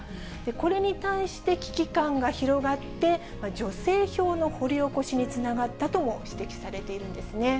これに対して危機感が広がって、女性票の掘り起こしにつながったとも指摘されているんですね。